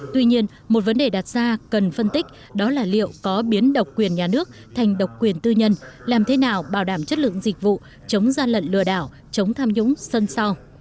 tuy nhiên một vấn đề đặt ra cần phân tích đó là liệu có biến độc quyền nhà nước thành độc quyền tư nhân làm thế nào bảo đảm chất lượng dịch vụ chống gian lận lừa đảo chống tham nhũng sân sao